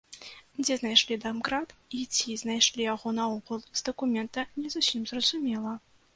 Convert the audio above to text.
Дзе знайшлі дамкрат і ці знайшлі яго наогул, з дакумента не зусім зразумела.